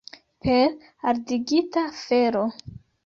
Per ardigita fero!